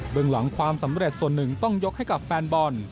หลังความสำเร็จส่วนหนึ่งต้องยกให้กับแฟนบอล